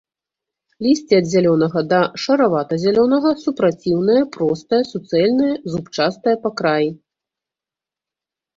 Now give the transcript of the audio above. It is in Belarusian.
Лісце ад зялёнага да шаравата-зялёнага, супраціўнае, простае, суцэльнае, зубчастае па краі.